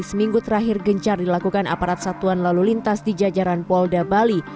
seminggu terakhir gencar dilakukan aparat satuan lalu lintas di jajaran polda bali